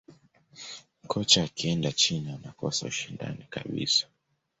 kocha akienda china anakosa ushindani kabisa